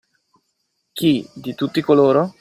Chi, di tutti coloro?